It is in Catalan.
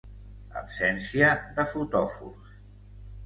Absència de fotòfors.